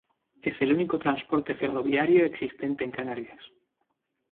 Es el único transporte ferroviario existente en Canarias.